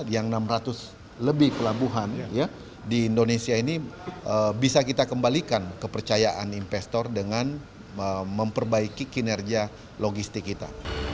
yang enam ratus lebih pelabuhan di indonesia ini bisa kita kembalikan kepercayaan investor dengan memperbaiki kinerja logistik kita